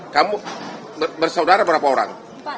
kamu bersaudara berapa orang